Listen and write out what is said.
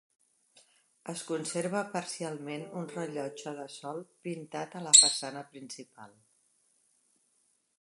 Es conserva parcialment un rellotge de sol pintat a la façana principal.